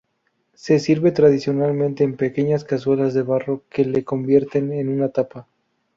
Se sirve tradicionalmente en pequeñas cazuelas de barro que le convierten en una tapa.